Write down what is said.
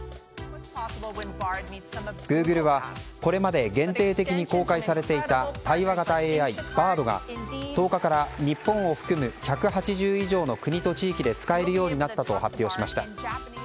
グーグルはこれまで限定的に公開されていた対話型ＡＩ、Ｂａｒｄが１０日から日本を含む１８０以上の国と地域で使えるようになったと発表しました。